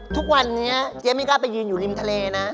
ทุกวันนี้เจ๊ไม่กล้าไปยืนอยู่ริมทะเลนะ